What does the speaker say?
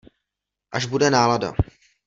Až bude nálada.